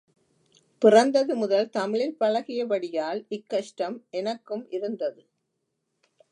பிறந்தது முதல் தமிழில் பழகியபடி யால், இக் கஷ்டம் எனக்கும் இருந்தது.